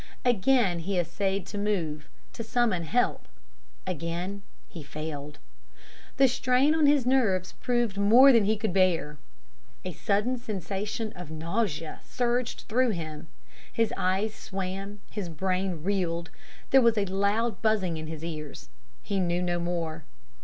Again he essayed to move, to summon help; again he failed. The strain on his nerves proved more than he could bear. A sudden sensation of nausea surged through him; his eyes swam; his brain reeled; there was a loud buzzing in his ears; he knew no more.